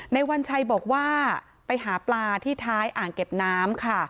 วัญชัยบอกว่าไปหาปลาที่ท้ายอ่างเก็บน้ำค่ะ